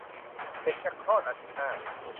เด็กจะคลอดอาทิตย์หน้า